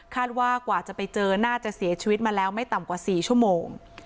ว่ากว่าจะไปเจอน่าจะเสียชีวิตมาแล้วไม่ต่ำกว่า๔ชั่วโมง